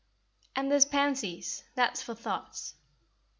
"And there's pansies, that's for thoughts."